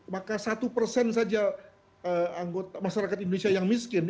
maka satu persen saja masyarakat indonesia yang miskin